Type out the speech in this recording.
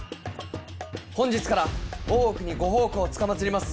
本日から大奥にご奉公つかまつります